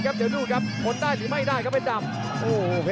ปัดชุดขุดโดดได้หรือไม่ได้ครับเผ็ดดำ